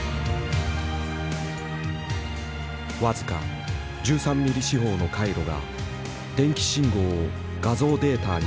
僅か１３ミリ四方の回路が電気信号を画像データに変換。